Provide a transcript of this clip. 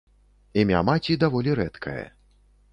Імя маці даволі рэдкае.